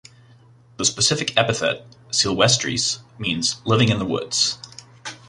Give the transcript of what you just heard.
The specific epithet ("silvestris") means "living in woods".